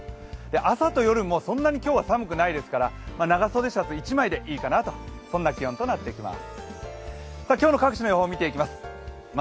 朝と夜もそんなに今日は寒くないですから長袖シャツ１枚でいいかなと、そんな気温になっています。